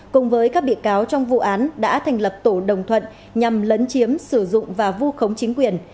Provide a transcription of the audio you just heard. cùng với các bị cáo trong vụ án đã thành lập tổ đồng thuận nhằm lấn chiếm sử dụng và vu khống chính quyền